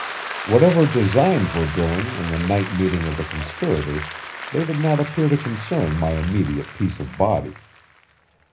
Whatever designs were brewing in the night meeting of the conspirators, they did not appear to concern my immediate peace of body.